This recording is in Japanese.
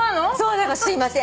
だから「すいません」